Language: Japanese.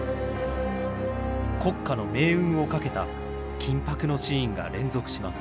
国家の命運を懸けた緊迫のシーンが連続します。